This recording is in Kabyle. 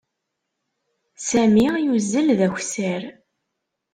Sami yuzzel d akessar.